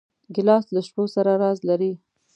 ګیلاس له شپو سره راز لري.